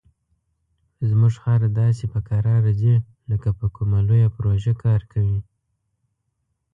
زموږ خر داسې په کراره ځي لکه په کومه لویه پروژه کار کوي.